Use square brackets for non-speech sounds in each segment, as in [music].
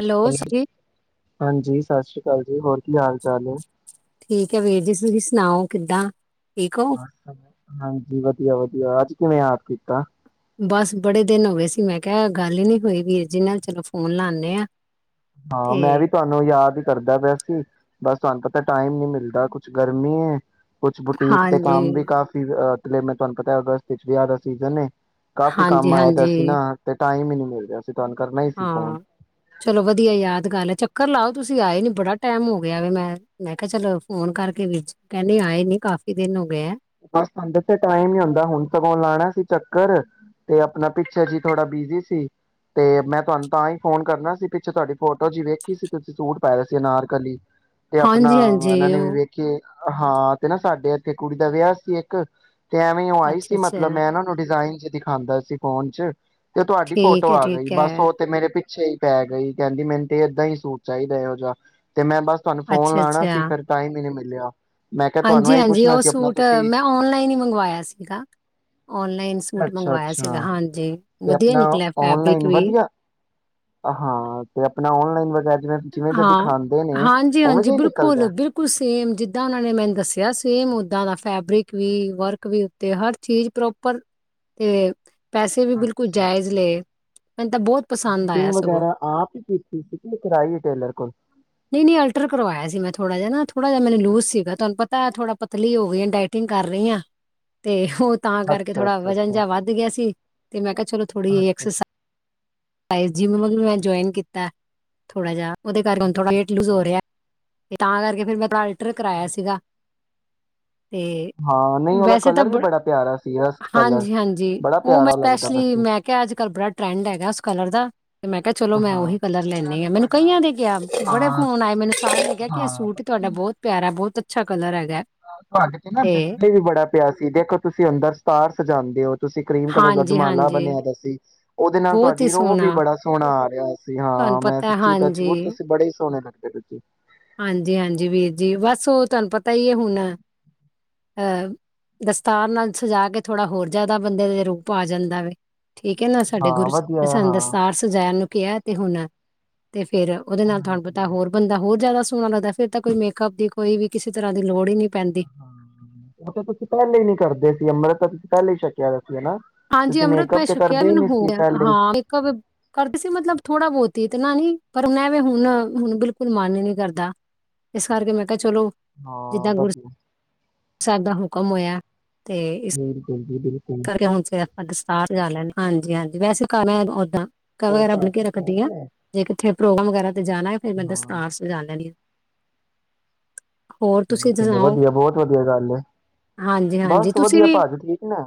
Hello ਜੀ ਹਾਂਜੀ ਸਤਿ ਸ੍ਰੀ ਅਕਾਲ ਜੀ ਹੋਰ ਕੀ ਹਾਲ ਚਾਲ ਹੈ ਠੀਕ ਹੈ ਵੀਰ ਜੀ ਤੁਸੀਂ ਸੁਣਾਓ ਕਿੱਦਾਂ ਠੀਕ ਹੋ ਹਾਂਜੀ ਵਧੀਆ ਵਧੀਆ ਅੱਜ ਕਿਵੇਂ ਆ ਕੀਤਾ ਬਸ ਬੜੇ ਦਿਨ ਹੋ ਗਏ ਸੀ ਮੈਂ ਕਿਹਾ ਗੱਲ ਹੀ ਨਹੀਂ ਹੋਈ ਵੀਰ ਜੀ ਨਾਲ ਚਲੋ ਫੋਨ ਲਾਉਣੇ ਆ ਹਾਂ ਤੇ ਮੈਂ ਵੀ ਤੁਹਾਨੂੰ ਯਾਦ ਕਰਦਾ ਪਿਆ ਸੀ ਬਸ ਤੁਹਾਨੂੰ ਪਤਾ ਟਾਈਮ ਨੀ ਮਿਲਦਾ ਕੁੱਛ ਗਰਮੀ ਏ ਕੁਛ ਬੁਟੀਕ ਤੇ ਹਾਂਜੀ ਕੰਮ ਵੀ ਕਾਫੀ ਅ ਲੈ ਮੈਂ ਤੁਹਾਨੂੰ ਪਤਾ ਹੈਗਸਤ ਚ ਵਿਆਹ ਦਾ ਸੀਜ਼ਨਏ ਕਾਫੀ ਕੰਮ ਹਾਂਜੀ ਆਇ ਪਿਆ ਹਾਂਜੀ ਸੀ ਨਾ ਤੇ ਟਾਈਮ ਹੀ ਨਹੀਂੀ ਮਿਲ ਗਿਆ। ਤੁਹਾਨੂੰ ਕਰਨਾ ਸੀ ਫੋਨ ਹਾਂ ਚਲੋ ਵਧੀਆ ਯਾਦਗਾਰ ਹੈ, ਚੱਕਰ ਲਾਓ ਤੁਸੀਂ ਆਏ ਨੀ ਬੜਾ ਟਾਈਮ ਹੋ ਗਿਆ ਵਾ ਮੈਂ-ਮੈਂ ਕਿਹਾ ਚਲੋ, ਫੋਨ ਕਰਕੇ ਕਹਿੰਦੀ ਆਏ ਨੀ ਕਾਫੀ ਦਿਨ ਹੋ ਗਏ ਆ। [unintelligible] ਟਾਈਮ ਹੀ ਹੁੰਦਾ ਹੁਣ ਸਗੋਂ ਲਾਣਾ ਸੀ ਚੱਕਰ ਤੇ ਆਪਣਾ ਪਿੱਛੇ ਜੀ ਥੋੜਾ ਬਿਜੀ ਸੀ ਤੇ ਮੈਂ ਤੁਹਾਨੂੰ ਤਾਂ ਹੀ ਫੋਨ ਕਰਨਾ ਸੀ, ਪਿੱਛੇ ਤੁਹਾਡੀ ਫੋਟੋ ਜੀ ਵੇਖੀ ਸੀ, ਤੁਸੀਂ ਸੂਟ ਪਾਇਆ ਸੀ ਅਨਾਰਕਲੀ ਤੇ ਆਪਣਾ ਹਾਂਜੀ ਹਾਂਜੀ ਇਹਨਾਂ ਨੇ ਵੀ ਉਹ ਵੇਖਿਆ ਹਾਂ ਤੇ ਨਾ ਸਾਡੇ। ਕਿ ਕੁੜੀ ਦਾ ਵਿਆਹ ਸੀ ਇੱਕ ਤੇ ਐਵੇਂ ਉਹ ਆਈ ਅੱਛਾ ਸੀ ਮਤਲਬ, ਅੱਛਾ ਮੈਂ ਇਹਨਾਂ ਨੂੰ ਡਿਜ਼ਾਇਨ ਦਿਖਾਂਦਾ ਸੀ ਫੋਨ ਚ, ਤੇ ਤੁਹਾਡੀ ਠੀਕ ਫੋਟੋ ਹੈ ਆ ਗਈ, ਠੀਕ ਬਸ ਹੈ ਉਹ ਤੇ ਮੇਰੇ ਪਿੱਛੇ ਪਿੱਛੇ ਹੀ ਪੈ ਗਈ ਕਹਿੰਦੀ ਮੈਨੂੰ ਤੇ ਏਦਾਂ ਦਾ ਹੀ ਸੂਟ ਚਾਹੀਦਾ, ਇਹੋ ਜਿਹਾ ਤੇ ਮੈਂ ਬਸ ਤੁਹਾਨੂੰ ਫੋਨ ਅੱਛਾ ਲਾਣਾ ਅੱਛਾ ਸੀ ਫਿਰ ਟਾਈਮ ਈ ਨੀ ਮਿਲਿਆ। ਪਿਆ। ਮੈਂ ਕਿਹਾ, ਤੁਹਾਨੂੰ ਇਹੀ ਪੁੱਛਣਾ ਸੀ ਆਪਣਾ ਤਾਂ ਤੁਸੀਂ ਮੈਂ ਔਨਲਾਈਨ ਹੀ ਮੰਗਵਾਇਆ ਸੀਗਾ, ਔਨਲਾਈਨ ਸੂਟ ਮੰਗਵਾਇਆ ਸੀਗਾ, ਅੱਛਾ-ਅੱਛਾ ਹਾਂਜੀ ਤੇ ਵਧੀਆ ਆਪਣਾ ਨਿਕਲਿਆ ਫੈਬਰਿਕ ਔਨਲਾਈਨ ਵੀ। ਵਧੀਆ ਹਾਂ ਤੇ ਆਪਣਾ ਔਨਲਾਈਨ ਵਗੈਰਾ ਜਿਵੇਂ ਜਿਵੇਂ ਦਾ ਹਾਂ, ਦਿਖਾਂਦੇ ਨੇ ਉਵੇਂ ਹਾਂਜੀ-ਹਾਂਜੀ ਜਿਹਾ ਹੀ ਨਿਕਲਦਾ। ਬਿਲਕੁਲ-ਬਿਲਕੁਲ ਸੇਮ ਜਿੱਦਾਂ ਉਹਨਾਂ ਨੇ ਮੈਨੂੰ ਦੱਸਿਆ ਸੀ, ਸੇਮ ਓਦਾਂ ਦਾ ਫੈਬਰਿਕ ਵੀ, ਵਰਕ ਵੀ ਉੱਤੇ ਹਰ ਚੀਜ਼ ਪ੍ਰੋਪਰ ਤੇ ਪੈਸੇ ਵੀ ਬਿਲਕੁਲ ਜਾਇਜ਼ ਅੱਛਾ-ਅੱਛਾ ਲਏ, ਮੈਨੂੰ ਤਾਂ ਬਹੁਤ ਤੇ ਪਸੰਦ ਆਇਆ ਫਿਟਿੰਗ ਸਗੋਂ। ਵਗੈਰਾ ਆਪ ਹੀ ਕੀਤੀ ਸੀ ਕਿ ਕਰਾਈ ਟੇਲਰ ਕੋਲ ਨਹੀਂ-ਨਹੀਂ ਅਲਟਰ ਕਰਵਾਇਆ ਸੀ, ਮੈਂ ਥੋੜਾ ਜਿਹਾ ਨਾ ਥੋੜਾ। ਥੋੜਾ ਜਿਹਾ ਮੈਨੂੰ ਲੂਜ ਸੀਗਾ, ਤੁਹਾਨੂੰ ਪਤਾ ਥੋੜਾ ਪਤਲੀ ਹੋ ਗਈ ਆ, ਡਾਇਟਿੰਗ ਕਰ ਰਹੀ ਹਾਂ, ਤੇ ਉਹ ਤਾਂ ਕਰਕੇ ਥੋੜਾ ਵਜਨ ਅੱਛਾ-ਅੱਛਾ-ਅੱਛਾ, ਜਿਹਾ ਵੱਧ ਗਿਆ ਸੀ, ਤੇ ਮੈਂ ਕਿਹਾ ਚਲੋ ਥੋੜ੍ਹੀ ਜਿਹੀ ਐਕਸਰ ਸਾਈਜ਼ ਜਿੰਮ ਵੀ ਮੈਂ ਜੁਆਇਨ ਕੀਤਾ, ਥੋੜਾ ਜਿਹਾ ਉਹਦੇ ਕਰਕੇ ਹੁਣ ਥੋੜਾ ਅੱਛਾ-ਅੱਛਾ-ਅੱਛਾ। ਵੇਟ ਲੂਜ ਹੋ ਰਿਹਾ। ਤੇ ਤਾਂ ਕਰਕੇ ਫ਼ਿਰ ਮੈਂ ਅਲਟਰ ਕਰਾਇਆ ਸੀਗਾ। ਤੇ ਹਾਂ ਨਹੀਂ ਉਹਦਾ ਵੈਸੇ ਤਾਂ ਕਲਰ ਵੀ ਬੜਾ, ਪਿਆਰਾ ਸੀ ਰਸਟ ਕਲਰ ਹਾਂਜੀ-ਹਾਂਜੀ ਬੜਾ ਉਹ ਮੈਂ ਪਿਆਰਾ ਲੱਗਦਾ ਪਿਆ ਸਪੈਸ਼ਲੀ ਸੀ। ਮੈਂ ਕਿਹਾ ਅੱਜ ਕੱਲ੍ਹ ਬੜਾ ਟਰੈਂਡ ਹੈਗਾ। ਲਗਦਾ। ਤੇ ਮੈਂ ਕਿਹਾ ਚਲੋ, ਮੈਂ ਹਾਂ ਉਹੀ ਕਲਰ ਤੇ ਲੈਂਦੀ ਨਾਲੇ ਆ ਮੈਨੂੰ ਤੁਹਾਡਾ ਕਈਆਂ ਦੇ ਕਿਹਾ ਬੜੇ ਫੋਨ ਆਏ, ਮੈਨੂੰ ਸਾਰਿਆਂ ਨੇ ਕਿਹਾ ਕਿ ਇਹ ਹਾਂ-ਹਾਂ ਸੂਟ ਪਤਾ ਤੁਹਾਡਾ ਕੀ ਬਹੁਤ ਪਿਆਰਾ ਬਹੁਤ ਅੱਛਾ ਕਲਰ ਹੈਗਾ। ਤੁਹਾਡੇ ਤੇ ਨਾ ਜਿਥੇ ਵੀ ਬੜਾ ਪਿਆ ਸੀ ਦੇਖੋ, ਤੁਸੀਂ ਅੰਦਰ ਦਸਤਾਰ ਸਜਾਦੇ ਹੋ। ਤੁਸੀਂ ਕਰੀਮ ਕਲਰ ਦਾ ਦੁਮਾਲਾ ਹਾਂਜੀ-ਹਾਂਜੀ ਬੰਨਿਆ ਵੇ ਸੀ। ਉਹਦੇ ਨਾਲ ਬਹੁਤ ਹੀ ਤੁਹਾਡੀ ਰੋਹਬ ਵੀ ਸੋਹਣਾ ਬੜਾ ਸੋਹਣਾ ਆ ਰਿਹਾ ਸੀ। ਤੁਹਾਨੂੰ ਹਾਂ, ਮੈਂ ਪਤਾ ਹੈ। ਸੱਚੀ ਟਚ ਵੁਡ। ਤੁਸੀਂ ਬੜੇ ਹੀ ਸੋਹਣੇ ਲੱਗ। [unintelligible] ਹਾਂਜੀ ਹਾਂਜੀ ਵੀਰ ਜੀ ਬਸ ਉਹ ਤੁਹਾਨੂੰ ਪਤਾ ਹੀ ਹੈ ਹੁਣ ਅਹ ਦਸਤਾਰ ਨਾਲ ਸਜਾ ਕੇ ਥੋੜਾ ਹੋਰ ਜ਼ਿਆਦਾ ਬੰਦੇ ਦੇ ਰੂਪ ਆ ਜਾਂਦਾ ਵ ਠੀਕ ਹੈ ਨਾ ਸਾਡੇ ਹਾਂ ਗੁਰੂ ਵਧੀਆ ਸਾਨੂੰ ਹਾਂ ਦਸਤਾਰ ਸਜਾਇਆ ਨੂੰ ਕਿਹਾ ਤੇ ਹੁਣ ਤੇ ਫੇਰ ਉਹਦੇ ਨਾਲ ਤੁਹਾਨੂੰ ਪਤਾ ਹਾਂਜੀ ਹੋਰ ਬੰਦਾ ਹੋਰ ਜ਼ਿਆਦਾ [unintelligible] ਸੋਹਣਾ ਲੱਗਦਾ ਫਿਰ ਤਾਂ ਕੋਈ ਮੇਕਅਪ ਦੀ ਕੋਈ ਵੀ ਕਿਸੇ ਤਰ੍ਹਾਂ ਦੀ ਲੋੜ ਹੀ ਨਹੀਂ ਪੈਂਦੀ ਉਹ ਤਾਂ ਤੁਸੀਂ ਪਹਿਲੇ ਨੀ ਕਰਦੇ ਸੀ ਅੰਮ੍ਰਿਤ ਤੁਸੀਂ ਪਹਿਲੇ ਈ ਸਕਿਆ ਹਾਂਜੀ ਅੰਮ੍ਰਿਤ ਮੈਂ ਸ਼ਕਿਆ ਮੈਨੂੰ ਹੋ ਸੀ ਗਿਆ ਪਹਿਲੇ ਹਾਂ ਮੇਕਅਪ ਕਰਦੇ ਸੀ ਮਤਲਬ ਥੋੜਾ ਬਹੁਤ ਹੀ ਤੇ [unintelligible] ਨਾ ਨੀ ਪਰ ਉਹਨ ਵੀ ਹੁਣ ਹੁਣ ਬਿਲਕੁਲ ਮਨ ਹੀ ਨੀ ਕਰਦਾ ਇਸ ਕਰਕੇ ਮੈਂ ਚਲੋ ਹਾਂ ਜਿੱਦਾਂ ਗੁਰ ਵਧੀਆ ਸਾਹਿਬ ਦਾ ਹਕਮ ਹੋਇਆ ਤੇ ਇਸ ਹੋ ਗਜੀ [unintelligible] ਕਰਕੇ ਹੁਣ ਚ ਕਿਸਿਸਤਾਨ ਜਾ ਲੈਣਾ ਹਾਂਜੀ ਹਾਂਜੀ ਵੈਸੇ ਘ ਮੈਂ ਉਦਾਂ [unintelligible] ਕਾ ਵਗੈਰਾ ਬਣਨ ਕੇ ਰੱਖਦੀਆਂ ਜੇ ਕਿੱਥੇ ਪ੍ਰੋਗਰਾਮ ਵਗੈ ਤੇ ਜਾਣਾ ਏ ਫ਼ਿਰ ਮੈਂ ਹਾਂ ਦਸਤਾਰ ਸਜਾ ਲੈਣੀ ਆ ਹੋਰ ਚੋ [unintelligible] ਤੁਸੀਂ ਚਲੋ ਸੁਣਾਓ ਵਧੀਆ ਬਹੁਤ ਵਧੀਆ ਗੱਲ ਏ ਹਾਂਜੀ ਹਾਂਜੀ ਬਸ ਤੁਸੀਂ ਵਧੀਆ ਵੀ ਭਾਜੀ ਠੀਕ ਨੇ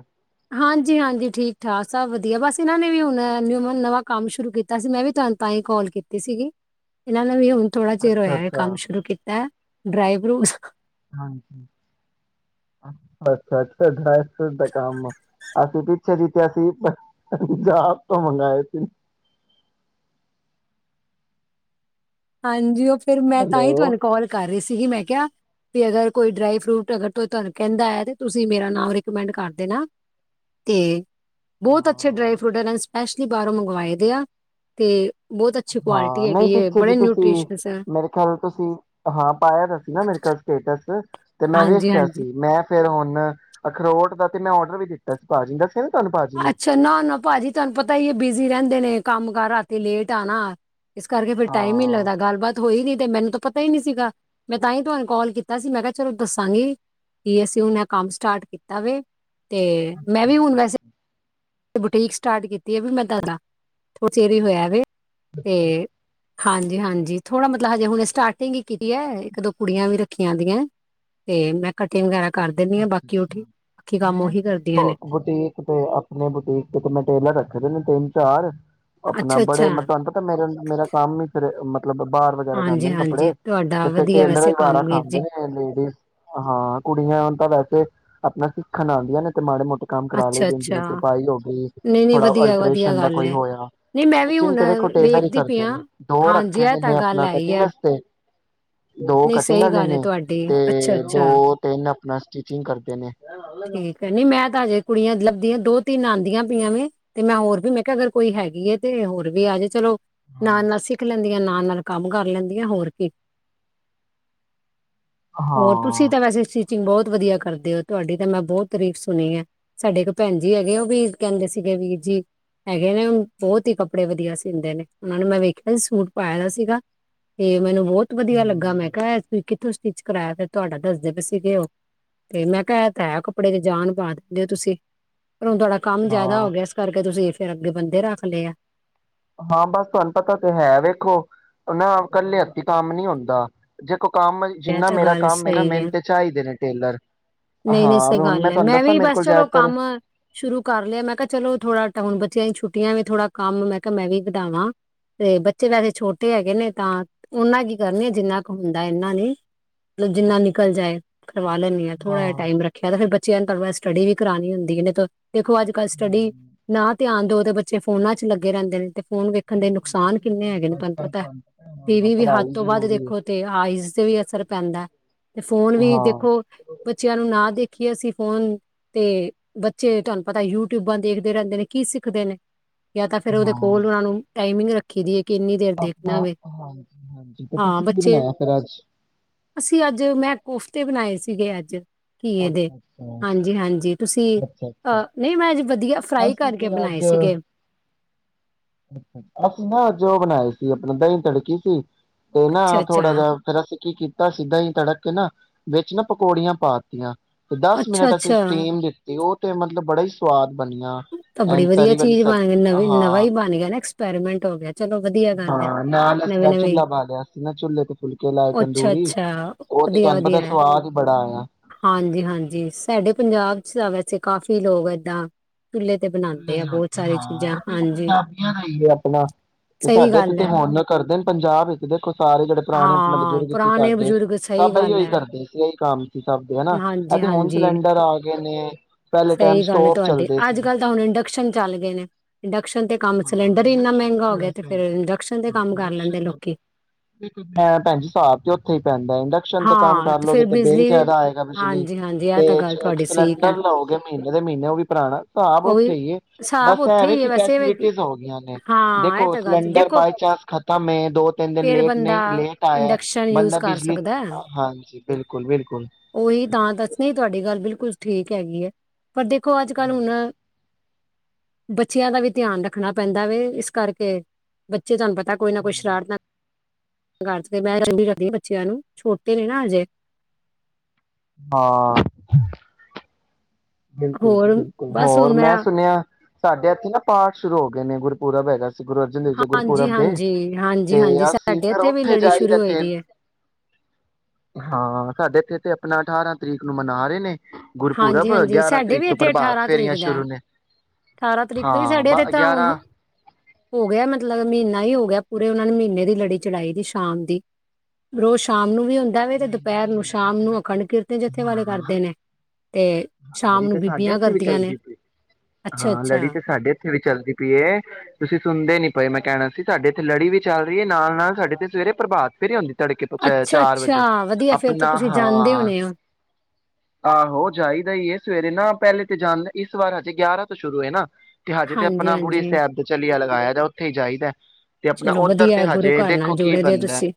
ਹਾਂਜੀ ਹਾਂਜੀ ਠੀਕ ਠਾਕ ਸਭ ਵਧੀਆ ਬਸ ਇਹਨਾਂ ਨੇ ਵੀ ਹੁਣ ਨਿ ਨਵਾਂ ਕੰਮ ਸ਼ੁਰੂ ਕੀਤਾ ਸੀ ਮੈਂ ਵੀ ਤੁਹਾਨੂੰ ਤਾਂ ਹੀ ਕੋਾਲ ਕੀਤੀ ਸੀਗੀ ਇਹਨਾਂ ਨੇ ਵੀ ਹੁਣ ਥੋੜ੍ਹਾ ਚਿਰ ਅੱਛਾ ਹੋਇਆ ਇਹ ਕੰਮ ਅੱਛਾ ਸ਼ੁਰੂ ਕੀਤਾ ਐ ਡ੍ਰਾਈ ਫਰੂਟਸ ਹਾਂ--ਅੱਛਾ ਅੱਛਾ ਡਾਈ ਸੂ ਦਾ ਕੰਮ ਅਸੀਂ ਪਿੱਛੇ ਜਿੱਤਿਆ ਸੀ ਪੰਜਾਬ ਤੋਂ ਮੰਗਵਾਏ ਸੀ ਹਾਂਜੀ ਔ ਫਿਰ ਮੈਂ ਤਾਂਈ ਹੈਲੋ। ਤੁਹਾਨੂੰ ਕੋਲ ਕਰ ਰਹੀ ਸ ਸੀ ਮੈਂ ਕਿਹਾ ਵੀ ਅਗਰ ਕੋਈ ਡਰਾਈ ਫਰੂਟ ਅਗਰ ਤੁਹਾਨੂੰ ਕਹਿੰਦਾ ਹੈ ਤੇ ਤੁਸੀਂ ਮੇਰਾ ਨਾਮ ਰਿਕਮੈਂਡ ਕਰ ਦੇਣਾ ਤੇ ਬਹੁਤ ਅੱਛੇ ਡਰਾਈ ਹਾਂ, ਫਰੂਟ ਇਨਸ [unintelligible] ਐਸ਼ਲੀ ਬਾਹਰੋਂ ਮੰਗਵਾਏ ਦੇ ਆ ਤੇ ਬਹੁਤ ਅੱਛੀ ਹਾਂ ਕੁਆਲਿਟੀ ਨਹੀਂ ਹੈਗੀ ਏ ਪਿੱਛੇ ਜੀ ਤੁਸੀਂ ਮੇਰੇ ਖਿਆਲ ਤੁਸੀਂ ਹਾਂ ਪਾਇਆ ਤਾਂ ਸੀ ਨਾ ਮੇਰੇ ਖਯਾਲ ਸਟੇਟਸ ਤੇ ਮੈਂ ਹਾਂਜੀ ਵੇਖਿਆ ਹਾਂਜੀ ਸੀ ਮੈਂ ਫੇਰ ਹੁਣ ਅਖਰੋਟ ਦਾ ਤੇ ਮੈਂ ਔਡਰ ਵੀ ਦਿੱਤਾ ਸੀ ਭਾਜੀ ਦਾ ਅੱਛਾ ਨਾ ਨਾ ਭਾਜੀ ਤੁਹਾਨੂੰ ਪਤਾ ਹੀ ਬਿਜ਼ੀ ਰਹਿੰਦੇ ਨੇ ਕੰਮ ਕਰ ਰਾਤੀ ਲੇਟ ਆਣਾ ਇਸ ਕਰਕੇ ਫ਼ਿਰ ਟਾਈਮ ਹੀ ਹਾਂ। ਲੱਗਦਾ ਗੱਲਬਾਤ ਹੋਈ ਨੀ ਤੇ ਮੈਨੂੰ ਤਾਂ ਪਤਾ ਹੀ ਨਹੀਂ ਸੀਗਾ ਮੈਂ ਤਾਂ ਹੀ ਤੁਹਾਨੂੰ ਕਾਲ ਕੀਤਾ ਸੀ ਮੈਂ ਕਿਹਾ ਚਲੋ ਦੱਸਾਂਗੀ ਕਿ ਅਸੀਂ ਹੁਣ ਕੰਮ ਸਟਾਰਟ ਕੀਤਾ ਵ ਤੇ ਮੈਂ ਵੀ ਹੁਣ ਵੈਸੇ ਤੇ ਬੁਟੀਕ ਸਟਾਰਟ ਕੀਤੀ ਹੈ ਵੀ ਮੈਂ ਤਾਂਦ ਫੇਰ ਈ ਹੀ ਹੋਇਆ। ਅੱਛਾ। ਤੇ ਹਾਂਜੀ-ਹਾਂਜੀ ਥੋੜਾ ਮਤਲਬ ਹਜੇ ਹੁਣੇ ਸਟਾਰਟਿੰਗ ਹੀ ਕੀਤੀ ਹੈ ਇੱਕ ਦੋ ਕੁੜੀਆਂ ਵੀ ਰੱਖੀ ਆਂਦੀਆਂ ਤੇ ਮੈਂ ਕਟਿੰਗ ਵਗੈਰਾ ਕਰ ਦਿੰਦੀ ਅ ਹਾਂ ਬਾਕੀ ਉਹ ਅ ਠੀਕ ਬਾਕੀ ਕੰਮ ਮੈਂ ਉਹੀ ਕਰਦੀਆਂ ਨੇ। ਬੁਟੀਕ ਤੇ ਨੇ ਬੁਟੀਕ ਤੇ-ਤੇ ਮੈਂ ਟੇਲਰ ਰੱਖੇ ਦੇ ਨੇ ਤਿੰਨ ਚਾਰ ਆਪਣਾ ਬੜੇ ਅੱਛਾ-ਅੱਛਾ ਮੈ ਤੁਹਾਨੂੰ ਪਤਾ ਮੇਰੇ ਨਾਲ ਮੇਰਾ ਕੰਮ ਹੀ ਫਿਰ ਮਤਲਬ ਬਾਰ ਵਗੈਰਾ ਜਾਂਦੇ ਨੇ ਹਾਂਜੀ-ਹਾਂਜੀ ਕੱਪੜੇ ਤੁਹਾਡਾ ਤੇ ਫੇਰ ਵਧੀਆ ਟੇਲਰ ਵੈਸੇ ਵੀ ਬਾਰ ਕੰਮ ਵੀਰ ਖਾਂਦੇ ਜੀ ਨੇ ਲੇਡੀਜ਼ ਹਾਂ ਕੁੜੀਆਂ ਵੈਸੇ ਆਪਣਾ ਸਿੱਖਣ ਆਦੀਆਂ ਨੇ ਤੇ ਮਾੜੇ ਮੋਟੇ ਕੰਮ ਕਰਾ ਲਦੇ ਨੇ ਜਿਵੇਂ ਅੱਛਾ-ਅੱਛਾ ਤਰਪਾਈ ਹੋ ਗਈ ਨਹੀਂ-ਨਹੀਂ ਥੋੜਾ ਵਧੀਆ-ਵਧੀਆ ਅਲਟਰੇਸ਼ਨ ਦਾ ਗੱਲ ਕੋਈ ਹੈ ਹੋਇਆ ਨਹੀਂ ਮੈਂ ਵੀ ਸਟਿਚਿੰਗ ਹੁਣ ਤੇ ਵੇਖੋ ਟੇਲਰ ਹੀ ਵੇਖਦੀ ਪਈ ਕਰਦੇ ਹਾਂ। ਨੇ ਦੋ ਹਾਂਜੀ ਰੱਖੇ ਇਹ ਤਾਂ ਨੇ ਗੱਲ ਆਪਣਾ ਹੈ ਹੀ ਕਟਿੰਗ ਹੈ ਵਾਸਤੇ ਦੋ ਨਹੀਂ ਕਟਿੰਗ ਸਹੀ ਗੱਲ ਹੈ ਲੈਣੀ ਤੁਹਾਡੀ ਤੇ ਦੋ ਅੱਛਾ-ਅੱਛਾ ਤਿੰਨ ਆਪਣਾ ਸਟਿਚਿੰਗ ਕਰਦੇ ਨੇ ਠੀਕ ਹੈ ਨੀ ਮੈਂ ਤਾਂ ਹਜੇ ਕੁੜੀਆਂ ਲੱਭਦੀਆਂ ਦੋ ਤਿੰਨ ਆਦੀਆਂ ਪਈਆਂ ਵੇ ਤੇ ਮੈਂ ਹੋਰ ਵੀ ਮੈਂ ਕਿਹਾ ਅਗਰ ਕੋਈ ਹੈਗੀ ਹੈ ਤੇ ਹੋਰ ਵੀ ਆ ਆਜੇ ਚਲੋ ਨਾਲ-ਨਾਲ ਸਿਖ ਲ ਦੀਆਂ ਨਾਲ-ਨਾਲ ਕੰਮ ਕਰ ਲੈਂਦੀਆਂ ਹੋਰ ਕੀ ਹੋਰ ਹਾਂ ਤੁਸੀਂ ਤਾਂ ਵੈਸੇ ਸਚਿੰਗ ਬਹੁਤ ਵਧੀਆ ਕਰਦੇ ਉਹ ਤੁਹਾਡੀ ਤਾਂ ਮੈਂ ਬਹੁਤ ਤਾਰੀਫ ਸੁਣੀ ਹੈ ਸਾਡੇ ਇੱਕ ਭੈਣ ਜੀ ਹੈਗੇ ਉਹ ਵੀ ਕਹਿੰਦੇ ਸੀਗੇ ਵੀਰ ਜੀ ਹੈਗੇ ਨੇ ਬਹੁਤ ਹੀ ਕੱਪੜੇ ਵਧੀਆ ਸੀਂਦੇ ਨੇ ਉਹਨਾਂ ਨੇ ਮੈਂ ਵੇਖਿਆ ਸੂਟ ਪਾਇਆ ਦਾ ਸੀਗਾ ਤੇ ਮੈਨੂੰ ਬਹੁਤ ਵਧੀਆ ਲੱਗ ਹੂੰ, ਤੁਸੀਂ ਕਿੱਥੋਂ ਸਟਿਚ ਕਰਵਾਇਆ ਫ ਤੁਹਾਡਾ ਦੱਸਦੇ ਪੁ ਸੀਗੇ ਹੋ ਤੇ ਮੈਂ ਕਿਹਾ ਤਾਂ ਕੱਪੜੇ ਦੇ ਜਾਨ ਪਾ ਦਿੰਦੇ ਹੋ ਤੁਸੀਂ ਪਰ ਹੁਣ ਤੁਹਾਡਾ ਕੰਮ ਜ਼ਿਆਦਾ ਹੋ ਹਾਂ, ਗਿਆ ਇਸ ਕਰਕੇ ਤੁਸੀਂ ਫਿਰ ਅੱਗੇ ਬੰਦੇ ਰੱਖ ਲਏ ਆ। ਹਾਂ ਬਸ ਤੁਹਾਨੂੰ ਪਤਾ ਤੇ ਹੈ ਵੇਖੋ ਨਾ ਇਕੱਲੇ ਅਤੀ ਕੰਮ ਨੀ ਹੁੰਦਾ ਜੇ ਕੋ ਇਹ ਤਾਂ ਗੱਲ ਸਹੀ ਹੈ ਚਾਹੀਦੇ ਨੇ ਟੇਲਰ। ਨਹੀਂ-ਨਹੀਂ ਹਾਂ ਸਹੀ ਹੁਣ ਗੱਲ ਹੈ ਤੁਹਾਨੂੰ ਮੈਂ ਦੱਸਾਂ ਵੀ ਮੇਰੇ ਬਸ ਕੋਲ ਚਲੋ, ਜ਼ਿਆਦਾਤਰ ਕੰਮ ਸ਼ੁਰੂ ਕਰ ਲਿਆ ਮੈਂ ਕਿਹਾ ਚਲੋ ਥੋੜਾ ਟ ਹੁਣ ਚ ਛੁੱਟੀਆਂ ਵੀ ਥੋੜਾ ਕੰਮ ਮੈਂ ਕਿਹਾ ਮੈਂ ਵੀ ਕਢਾਵਾਂ ਤੇ ਬੱਚੇ ਵੈਸੇ ਛੋਟੇ ਹੈਗੇ, ਨੇ ਤਾਂ ਉਹਨਾ ਕੀ ਕਰਨੀ ਆ ਜਿੰਨਾ ਕੁ ਹੁੰਦਾ ਇਹਨਾਂ ਨੀ ਮਤਲਬ ਜਿੰਨਾ ਨਿਕਲ ਜਾਏ। ਕਰਵਾ ਲੈਂ ਆ ਥੋੜਾ ਟਾਈ ਰੱਖਿਆ ਫਿਰ ਬ ਬ ਸਟੱਡੀ ਵੀ ਕਰਾਣੀ ਹੁੰਦੀ। ਦੇਖੋ ਅੱਜ ਕੱਲ੍ਹ ਸਟੱਡੀ ਨਾ ਧਿਆਨ ਦੋ ਦੇ ਬੱਚੇ ਫੋਨਾਂ ਚ ਲੱਗੇ ਰਹਿੰਦੇ ਨੇ ਤੇ ਫੋਨ ਵੇਖਣ ਦੇ ਨੁਕਸਾਨ ਕਿੰਨੇ ਹੈਗੇ ਨੇ ਅੱਜ ਤੁਹਾਨੂੰ ਕੱਲ ਪਤਾ ਟੀ ਹਾਂ ਵੀ ਵੀ ਹੱਦ ਪੜ੍ਹਾਈ ਤੋਂ ਬਾਦ ਜ਼ਰੂਰੀ ਹੈ। ਦੇਖੋ ਤੇ ਆਈਜ਼ ਦੇ ਵੀ ਫ਼ਰਕ ਪੈਂਦਾ ਤੇ ਫੋਨ ਵੀ ਹਾਂ, ਦੇਖੋ ਬੱਚਿਆਂ ਨੂੰ ਨਾ ਦੇਖੀਏ ਅਸੀਂ ਫੋਨ ਤੇ ਬੱਚੇ ਤੁਹਾਨੂੰ ਪਤਾ ਯੂਟਿਊਬਾਂ ਦੇਖਦੇ ਰਹਿੰਦੇ ਨੇ ਕੀ ਸਿੱਖਦੇ ਨੇ। ਯਾਂ ਤਾਂ ਫੇਰ ਉਹਦੇ ਕੋਲ ਉਹਨਾਂ ਨੂੰ ਟਾਈਮਿੰਗ ਰਖ ਕਿ ਦੀ ਏ। ਆਪ ਤੇ ਹਾਂ ਤੁਸੀਂ ਕੀ ਬੱਚੇ ਬਣਾਇਆ ਫਿਰ ਅੱਜ ਅਸੀਂ ਅੱਜ ਮੈਂ ਕੋਫਤੇ ਬਣਾਏ ਸੀਗੇ ਅੱਜ ਘੀਏ ਦੇ ਹਾਂਜੀ ਹਾਂਜੀ ਤੁਸੀਂ ਅੱਛਾ-ਅੱਛਾ-ਅੱਛਾ-ਅੱਛਾ ਅ ਨਹੀਂ ਮੈਂ ਅੱਜ ਵਧੀਆ ਫਰਾਈ ਅਸੀਂ ਕਰਕੇ ਤੇ ਬਣਾਏ ਅੱਜ ਅ ਸੀਗੇ ਅਸੀਂ ਨਾ ਅੱਜ ਉਹ ਬਣਾਏ ਸੀ। ਕਿ ਆਪਣਾ ਦਹੀਂ ਤੜਕੀ ਸੀ। ਤੇ ਨਾ ਅੱਛਾ ਥੋੜਾ ਅੱਛਾ ਜਿਹਾ ਫ਼ਿਰ ਅਸੀਂ ਕੀ ਕੀਤਾ। ਤਾ ਸਿੱਧਾ ਹੀ ਤੜਕ ਕੇ ਨਾ ਵਿੱਚ ਨਾ ਪਕੌੜੀਆਂ ਪਾ ਤੀਆਂ ਤੇ ਦਸ ਅੱਛਾ ਮਿੰਟ ਅਸੀਂ ਅੱਛਾ ਸਟੀਮ ਦਿੱਤੀ ਉਹ ਤੇ ਮਤਲਬ ਬੜਾ ਹੀ ਸਵਾਦ ਬਣੀਆਂ ਤਾਂ ਬੜੀ ਐਂਡ ਵਧੀਆ ਤਰੀ ਵਾਲੀ ਚੀਜ਼ ਸਬ ਬਣ ਨਵੀਂ ਨਵਾਂ ਹਾਂ ਹੀ ਬਣ ਗਿਆ ਨਾ। ਐਕਸ ਪੇਰਿਮੀਂਟ ਹੋ ਗਿਆ। ਚਲੋ ਵਧੀਆ ਗੱਲ ਹੈ ਹਾਂ ਨਾਲ ਨਵੇਂ ਅਸੀਂ ਨਵੇਂ ਚੁਲਾ ਬਾਲਿਆ ਸੀ ਨਾ ਝੁਲੇ ਤੇ ਫੁਲਕੇ ਲਾਏ ਅੱਛਾ ਤੰਦੂਰੀ ਅੱਛਾ ਉਹ ਤੇ ਤੁਹਾਨੂੰ ਪਤਾ ਸਵਾਦ ਹੀ ਬੜਾ ਆਇਆ। ਹਾਂਜੀ-ਹਾਂਜੀ ਸਾਡੇ ਪੰਜਾਬ ਚ ਤਾਂ ਵੈਸੇ ਕਾਫ਼ੀ ਲੋਕ ਏਦਾਂ ਚੁੱਲ੍ਹੇ ਤੇ ਚੁੱਲੇ ਬਣਾਉਂਦੇ ਦੀ ਆ ਬਹੁਤ ਰੋਟੀ ਸਾਰੀ ਚੀਜ਼ਾਂ ਹਾਂ, ਹਾਂਜੀ ਪੰਜਾਬੀਆਂ ਦਾ ਇ ਏ ਆਪਣਾ ਤੇ ਸਹੀ ਸਾਡੇ ਗੱਲ ਤੇ ਹੈ ਹੁਣ ਕਰਦੇ ਨੇ ਪੰਜਾਬ ਇੱਕ ਦੇਖੋ ਸਾਰੇ ਜਿਹੜੇ ਪੁਰਾਣੇ ਆਪਣੇ ਹਾਂ ਬਜ਼ੁਰਗ ਸੀ ਪੁਰਾਣੇ ਸਾਡੇ ਬਜ਼ੁਰਗ ਸਹੀ ਸਭ ਇਹੀ ਗੱਲ ਉਹੀ ਹੈ ਕਰਦੇ ਸੀ ਇਹੀ ਕੰਮ ਸੀ ਸਭ ਦੇ ਹੈ ਨਾ ਇਹ ਹਾਂਜੀ ਤੇ ਹੁਣ ਹਾਂਜੀ ਸਿਲੰਡਰ ਆ ਗ ਕਿ ਨੇ ਪਹਿਲੇ ਟਾਈਮ ਸਟੋਪ ਚੱਲਦੇ ਸੀ। ਕਸ਼ਨ ਚੱਲ ਗਏ ਨੇ ਇੰਡਕ ਫਿਰ ਇੰਡਕਸ਼ਨ ਤੇ ਕੰਮ ਕਰ ਲੈਂਦੇ ਲੋਕੀ ਭੈ ਭੈਣ ਜੀ ਹਿਸਾਬ ਤੇ ਉਥੇ ਪੈਂਦਾ ਇੰਡਕਸ਼ਨ ਤੇ ਕੰਮ ਹਾਂ ਕਰ ਫੇਰ ਲਓਗੇ ਤੇ ਬਿੱਲ ਬਿਜਲੀ ਦੇ ਜ਼ਿਆਦਾ ਆਏਗਾ ਬਿਜਲੀ ਹਾਂਜੀ ਹਾਂਜੀ ਇਹ ਤੇ ਤਾਂ ਗੱਲ ਸਿ ਤੁਹਾਡੀ ਠੀਕ ਹੈ ਸਿਲੰਡਰ ਲਓਗੇ ਮਹੀਨੇ ਦੇ ਮਹੀਨੇ ਉਹ ਵੀ ਭਰਾਣਾ ਹਿਸਾਬ ਉਹ ਵੀ ਉੱਥੇ ਹੀ ਹੈ ਹਿਸਾਬ ਬਸ ਉੱਥੇ ਐਵੇ ਹੀ ਹੈ ਕਿ ਵੈਸੇ ਵੀ। ਫੇਸਿਲਟੀਸ਼ ਹੋ ਗਈਆਂ ਨੇ ਹਾਂ ਇਹ ਦੇਖੋ ਤਾਂ ਗੱਲ ਸਿਲੰਡਰ ਦੇਖੋ ਬਾਈ ਚਾਂਸ ਖਤਮ ਹੈ ਦੋ ਤਿੰਨ ਦਿਨ ਫੇਰ ਲੇਟ ਬੰਦਾ ਨਹੀਂ ਲੇਟ ਆਇਆ ਇੰਡਕਸ਼ਨ ਯੂਜ ਬੰਦਾ ਕਰ ਬਿਜਲੀ ਤੇ, ਸਕਦਾ ਹਾਂਜੀ ਬਿਲਕੁਲ ਬਿਲਕੁਲ ਉਹੀ ਤਾਂ ਦੱਸ ਤੁਹਾਡੀ ਗੱਲ ਬਿਲਕੁਲ ਠੀਕ ਹੈਗੀ ਐਂ। ਪਰ ਦੇਖੋ ਅੱਜ ਕੱਲ੍ਹ ਹੁਣ ਬੱਚਿਆਂ ਦਾ ਵੀ ਧਿਆਨ ਰੱਖਣਾ ਪੈਂਦਾ ਵੇ ਇਸ ਕਰਕੇ ਬੱਚੇ ਤੁਹਾਨੂੰ ਪਤਾ ਤਾਂ ਕੋਈ ਨਾ ਕੋਈ ਸ਼ਰਾਰਤ ਨ ਘਰ ਚ ਮੈਂ ਰ ਕਰਦੀ ਹ ਬੱਚਿਆਂ ਨੂੰ ਛੋਟੇ ਨੇ ਨਾ ਹਜੇ ਹਾਂ ਬਿਲਕੁਲ ਜੀ ਹੋਰ ਬਿਲਕੁਲ ਬਸ ਹੋਰ ਹੁਣ ਮੈਂ ਸੁਣਿਆ ਸਾਡੇ ਇੱਥੇ ਨਾ ਪਾਠ ਸ਼ੁਰੂ ਹੋ ਗਏ ਨੇ ਗੁਰ ਪੂਰਾ ਪੈਦਾ। ਗੁਰੂ ਅਰਜਨ ਦੇਵ ਜ ਹਾਂਜੀ ਗੁਰਪੁਰਬ ਦੇ ਹਾਂਜੀ ਹਾਂਜੀ ਤੇ ਹਾਂਜੀ ਅਸੀਂ ਸਾਡੇ ਫਿਰ ਇੱਥੇ ਵੀ ਉੱਥੇ ਲੜੀ ਜਾਈਦਾ ਸ਼ੁਰੂ ਹੋਈ ਤੇ ਦੀ ਹੈ ਹਾਂ ਸਾਡੇ ਇਥੇ ਤੇ ਆਪਣਾ ਅਠਾਰਾਂ ਤਰੀਕ ਨੂੰ ਮਨਾ ਰਹੇ ਨੇ ਗੁਰਪੁਰਬ। ਹਾਂਜੀ ਹਾਂਜੀ ਗਿਆਰਾਂ ਸਾਡੇ ਤਰੀਕ ਵੀ ਤੋਂ ਇੱਥੇ ਪ੍ਰਭਾਤ ਅਠਾਰਾਂ ਫੇਰੀਆਂ ਤਰੀਕ ਦਾ। ਸ਼ੁਰੂ ਨੇ ਅਠਾਰਾਂ ਤਰੀਕ ਤੋਂ ਵੀ ਹਾਂ ਸਾਡੇ ਬ ਤੇ ਤਾਂ ਹੁਣ ਗਿਆਰਾਂ ਹੋ ਗਿਆ ਮਤਲਬ ਮਹੀਨਾ ਹੀ ਹੋ ਗਿਆ ਪੂਰੇ ਉਹਨਾਂ ਨੇ ਮਹੀਨੇ ਦੀ ਲੜੀ ਚਲਾਈ ਸੀ ਸ਼ਾਮ ਦੀ ਰੋਜ਼ ਸ਼ਾਮ ਨੂੰ ਵੀ ਹੁੰਦਾ ਵ ਤੇ ਨਹੀਂ ਦੁਪਹਿਰ ਨੂੰ ਨਹੀਂ ਲੜੀ ਸ਼ਾਮ ਤੇ ਨੂੰ ਅਖੰਡ ਵੇਖੋ ਕੀਰਤਨ ਜਥੇ ਵਾਲੇ ਕਰਦੇ ਨੇ ਤੇ ਸ਼ਾਮ ਲੜੀ ਨੂੰ ਤੇ ਸਾਡੇ ਬੀਬੀਆਂ ਇੱਥੇ ਵੀ ਕਰਦੀਆਂ ਨੇ ਚੱਲਦੀ ਪਈ ਅੱਛਾ ਹਾਂ ਅੱਛਾ ਲੜੀ ਤੇ ਸਾਡੇ ਇੱਥੇ ਵੀ ਚੱਲਦੀ ਪਈ ਤੁਸੀਂ ਸੁਣਦੇ ਨੀ ਪਏ ਮੈਂ ਕਹਿਣਾ ਸੀ ਸਾਡੇ ਇੱਥੇ ਲੜੀ ਵੀ ਚੱਲ ਰਹੀ ਹੈ ਨਾਲ ਨਾਲ ਸਾਡੇ ਤੇ ਸਵੇਰੇ ਪ੍ਰਭਾਤ ਫੇਰੀ ਆਉਂਦੀ ਤੜਕੇ ਤੋਂ ਅੱਛਾ ਚਾਰ ਅੱਛਾ ਵਜੇ ਵਧੀਆ ਫੇਰ ਤਾਂ ਆਪਣਾ ਤੁਸੀਂ ਜਾਣਦੇ ਹਾਂ ਹੋਣੇ ਹੋ? ਆਹੋ ਜਾਈਦਾ ਹੀ ਹੈ ਸਵੇਰੇ ਨਾ ਪਹਿਲੇ ਤੇ ਜਾਣ ਇਸ ਵਾਰ ਹਜੇ ਗਿਆਰਾਂ ਤੋਂ ਸ਼ੁਰੂ ਹੈ ਨਾ ਤੇ ਹਜੇ ਤੇ ਹਾਂਜੀ ਆਪਣਾ ਬੁੜੀ ਹਾਂਜੀ ਸਾਹਿਬ ਚਲੀਿਆ ਲੱ ਾਇਆ ਜਾ ਉੱਥੇ ਹੀ ਜਾਈਦਾ। ਤੇ ਆਪਣਾ ਚਲੋ ਉੱਧਰ ਤੇ ਵਧੀਆ ਗੁਰੂ ਹਜੇ ਘਰ ਨਾਲ ਦੇਖੋ ਕੀ ਜੁੜੇ ਰਹੈ ਬਣਦਾ ਤੁਸੀਂ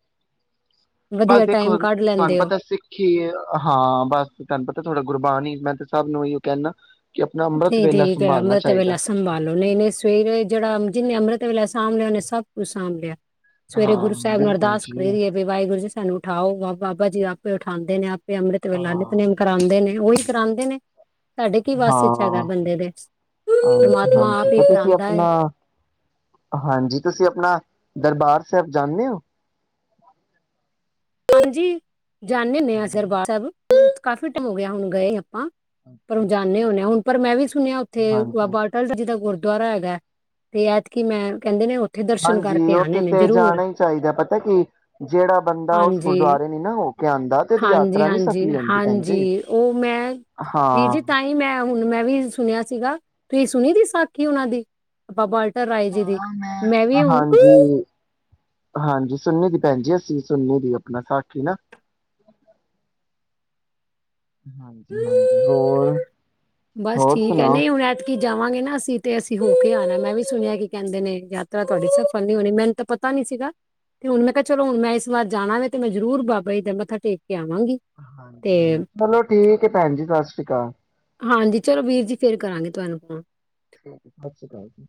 ਬਸ ਵਧੀਆ ਟਾਈਮ ਦੇਖੋ ਕੱਢ ਤੁਹਾਨੂੰ ਲੈਂਦੇ ਹੋ ਪਤਾ ਸਿੱਖ ਹੀ ਹਾਂ ਬਸ ਤੁਹਾਨੂੰ ਪਤਾ ਥੋਡਾ ਗੁਰਬਾਨੀ ਹਾਂ ਨ ਮੈਂ ਤੇ ਸਭ ਨੂੰ ਇਹੀ ਕਹਿੰਨਾ ਨਹੀਂ ਠੀਕ ਹੈ ਅੰਮ੍ਰਿਤ ਵੇਲਾ ਸੰਭਾਲੋ ਨਹੀਂ ਨਹੀਂ ਸਵੇਰੇ ਜਿਹੜਾ ਜਿੰਨੇ ਅੰਮ੍ਰਿਤ ਵੇਲਾ ਸਾਂਭ ਲਿਆਓਣੇ ਸਭ ਕੁਛ ਸਾਂਭ ਲਿਆ। ਸਵੇਰੇ ਹਾਂ ਗੁਰੂ ਸਾਹਿਬ ਨੂੰ ਬਿਲਕੁਲ ਅਰਦਾਸ ਜੀ ਕਰਦੀ ਹੈਏ ਵੀ ਵਾਹਿਗੁਰੂ ਜੀ ਸਾਨੂੰ ਉਠਾਓ ਬਾਬਾ ਜੀ ਉਠਉਂਦੇ ਨੇ ਆਪ। ਵੀ ਅੰਮ੍ਰਿਤ ਵੇਲਾ ਨਿੱਤ ਹਾਂ ਨੇਮ ਕਰਉਂਦੇ ਨੇ। ਉਹੀ ਕਰਾਉਂਦੇ ਨੇ ਸਾਡੇ ਕੀ ਵਾਸ ਏ। ਹਾਂ ਹਾਂਜੀ ਹਾਂਜੀ ਆਪ ਹੀ ਤੇ ਤੁਸੀਂ ਕਰਾਉਂਦਾ ਹੈ ਆਪਣਾ ਹਾਂਜੀ ਤੁਸੀਂ ਆਪਣਾ ਦਰਬਾਰ ਸਾਹਿਬ ਜਾਾਨੇ ਹੋ। ਹਾਂਜੀ। ਜਾਂਨੇ ਹੋਨੇ ਅ ਦਰਬਾਰ ਸਾਹਿਬ ਕਾਫੀ ਟਾਈਮ ਹੋ ਗਿਆ ਹੁਣ ਗਏ ਆਪਾਂ ਪਰ ਉਹ ਜਾਂਨੇ ਹੋਨੇ ਆਂ ਓਏ ਪਰ ਮੈਂ ਵੀ ਸੁਣਿਆ ਉੱਥੇ ਹਾਂਜੀ ਬਾਬਾ ਅਟੱਲ ਜੀ ਦਾ ਗੁਰੂ ਦੁਆਰਾ ਹੈਗਾ, ਤੇ ਐਤਕੀ ਮੈਂ ਚੱਲੀ ਹਾਂ ਓ ਹਾਂਜੀ, ਉੱਥੇ ਤੇ ਜਾਣਾ ਹੀ ਚਾਹੀਦਾ। ਪਤਾ ਕਿ, ਜਿਹੜਾ ਬੰਦ ਹਾਂਜੀ, ਯਾਤਰਾ ਨੀ ਹਾਂਜੀ-ਹਾਂਜੀ, ਸਫਲੀ ਹੁੰਦੀ ਭੈਣ ਜੀ। ਹਾਂਜੀ, ਉਹ ਮੈਂ ਵੀਰ ਜੀ ਹਾਂ ਤਾਂ ਹੀ ਮੈਂ ਹੁਣ ਮੈਂ ਵੀ ਸੁਣਿਆ ਸੀਗਾ ਤੁਸੀਂ ਸੁਣੀ ਦੀ ਸਾਖੀ ਉਹਨਾਂ ਦੀ? ਬਾਬਾ ਅਟੱਲ ਹਾਂ ਮੈਂ, ਹਾਂਜੀ ਹਾਂਜੀ, ਸੁਨੀ ਦੀ ਭੈਣ ਜੀ ਅਸੀਂ ਵੀ ਸੁਨੀ ਦੀ ਆਪਣਾ ਸਾਖੀ ਨਾ। ਹਾਂਜੀ-ਹਾਂਜੀ, ਹੋਰ ਬਸ ਹੋਰ ਠੀਕ ਹੈ ਸੁਣਾਓ? ਨੀ ਹੁਣ ਐਤਕੀ ਜਾਵਾਂਗੇ ਨਾ ਅਸੀਂ ਤੇ ਅਸੀਂ ਹੋ ਕੇ ਆਉਣਾ। ਮੈਂ ਵੀ ਸੁਣਿਆ ਕਿ ਕਹਿੰਦੇ ਨੇ ਯਾਤਰਾ ਤੁਹਾਡੀ ਸਫਲ ਨੀ ਹੋਣੀ, ਮੈਨੂੰ ਤਾਂ ਪਤਾ ਨੀ ਸੀਗਾ ਤੇ ਹੁਣ ਮੈਂ ਕਿਹਾ ਚਲੋ ਹੁਣ ਮੈਂ ਇਸ ਵਾਰ ਜਾਣਾ ਤੇ ਮੈਂ ਜ਼ਰੂਰ ਬਾਬਾ ਜੀ ਦਾ ਮੱਥਾ ਟੇਕ ਕੇ ਆਵਾਂਗੀ ਤੇ ਚਲੋ ਠੀਕ ਹੈ ਭੈਣ ਜੀ, ਸਤਿ ਸ੍ਰੀ ਅਕਾਲ ਹਾਂਜੀ ਚਲੋ ਵੀਰ ਜੀ ਫਿਰ ਕਰਾਂਗੇ ਤੁਹਾਨੂੰ ਫੋਨ ਠੀਕ ਸਤਿ ਸ਼੍ਰੀ ਅਕਾਲ ਜੀ